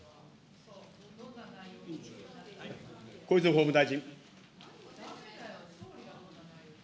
小泉法務大臣。